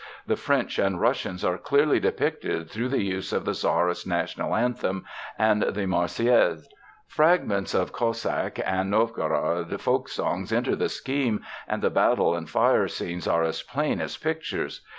The French and Russians are clearly depicted through the use of the Czarist National Anthem and the Marseillaise. Fragments of Cossack and Novgorod folk songs enter the scheme, and the battle and fire scenes are as plain as pictures.